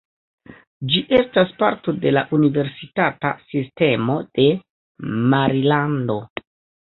Ĝi estas parto de la Universitata Sistemo de Marilando.